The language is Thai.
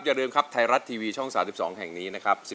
อย่าลืมครับไทยรัฐทีวีช่อง๓๒แห่งนี้นะครับ